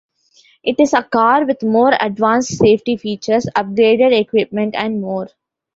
It is a car with more advanced safety features, upgraded equipment and more.